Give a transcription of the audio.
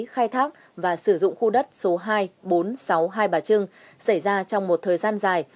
khai thác và sử dụng khu đất số hai bốn trăm sáu mươi hai bà trưng xảy ra trong một thời gian dài